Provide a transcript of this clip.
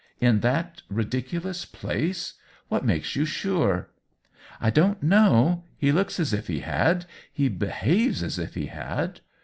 " In that ridiculous place ? What makes you sure ?"" I don't know — he looks as if he had. He behaves as if he had."